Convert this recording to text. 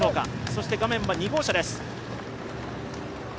そして画面は２号車です。